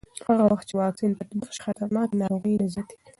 هغه وخت چې واکسین تطبیق شي، خطرناک ناروغۍ نه زیاتېږي.